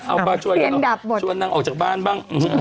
เอาบ้านช่วยชวนนั่งออกจากบ้านบ้าง